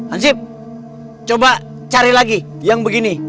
hansib coba cari lagi yang begini